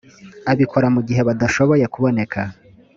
abikora mu gihe badashoboye kuboneka